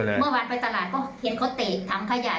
ทั่วเลยเมื่อวันไปตลาดก็เห็นเขาเตะถังขยะอยู่ตามตามซอยอ่ะค่ะ